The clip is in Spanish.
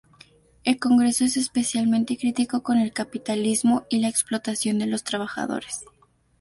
El Congreso es especialmente crítico con el capitalismo y la explotación de los trabajadores.